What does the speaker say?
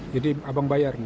jadi abang bayar nih